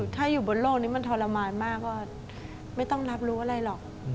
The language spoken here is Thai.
ถ้าอยู่บนโลกนี้มันทรมานมากก็ไม่ต้องรับรู้อะไรหรอก